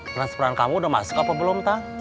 peran peran kamu udah masuk apa belum tak